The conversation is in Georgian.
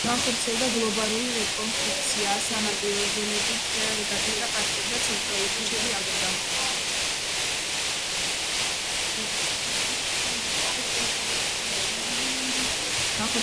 განხორციელდა გლობალური რეკონსტრუქცია: სანაპირო ზოლები მთლიანად გაკეთდა, პარკები და ცენტრალური ქუჩები აღდგა.